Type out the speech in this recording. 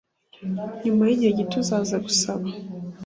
nyuma yigihe gito, uzaza gusaba